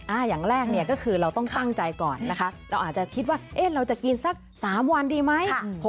อย่างแรกเนี่ยก็คือเราต้องตั้งใจก่อนนะคะเราอาจจะคิดว่าเอ๊ะเราจะกินสัก๓วันดีไหม